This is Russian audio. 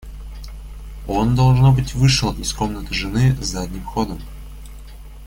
Он, должно быть, вышел из комнаты жены задним ходом.